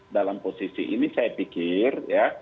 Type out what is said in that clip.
dalam posisi ini saya pikir ya